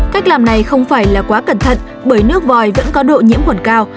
cách làm này không phải là quá cẩn thận bởi nước vòi vẫn có độ nhiễm khuẩn cao